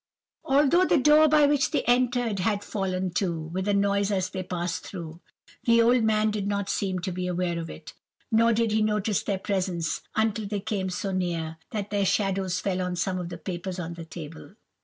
"Although the door by which they entered had fallen to, with a noise as they passed through, the old man did not seem to be aware of it, nor did he notice their presence until they came so near, that their shadows fell on some of the papers on the table.